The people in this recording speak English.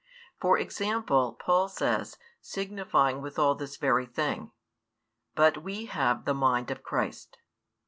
For example, Paul says, signifying withal this very thing: But we have the Mind of Christ.